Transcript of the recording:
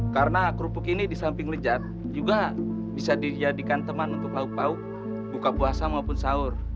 karena kerupuk ini di samping lejat juga bisa dijadikan teman untuk lauk lauk buka puasa maupun sahur